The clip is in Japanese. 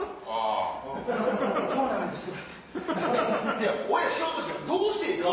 いや俺どうしていいか。